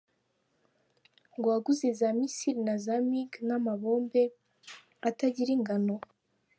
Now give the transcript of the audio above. Ngo waguze za missile na za mig n’amabombe atagira ingano!?